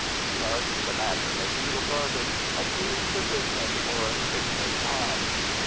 Thus the matter may be regarded as being positioned for a space of time.